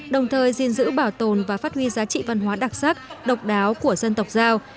đồng thời gìn giữ bảo tồn và phát huy giá trị văn hóa đặc sắc độc đáo của dân tộc giao